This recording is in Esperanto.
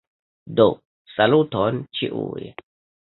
Do, saluton ĉiuj.